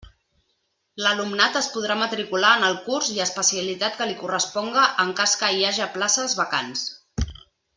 L'alumnat es podrà matricular en el curs i especialitat que li corresponga en cas que hi haja places vacants.